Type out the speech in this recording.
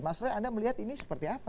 mas roy anda melihat ini seperti apa